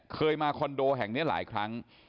เคยมาคอนโดแห่งนี้หลายครั้ง